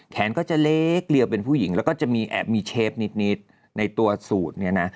แขนก็จะเล็กเรียวเป็นผู้หญิงแล้วก็จะมีแอบมีเชฟนิดในตัวสูตรเนี่ยนะ